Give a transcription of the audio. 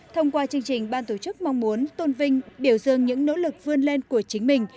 thông qua chương trình ban tổ chức mong muốn tôn vinh biểu dương những nỗ lực vươn lên của chính mình